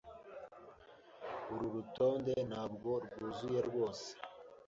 Uru rutonde ntabwo rwuzuye rwose